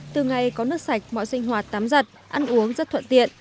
từ ngày có nước sạch mọi sinh hoạt tắm giật ăn uống rất thuận tiện